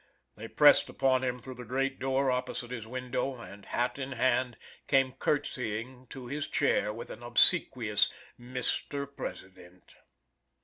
They pressed upon him through the great door opposite his window, and hat in hand, come courtsying to his chair, with an obsequious "Mr. President!"